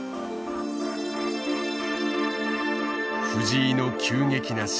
藤井の急激な進化。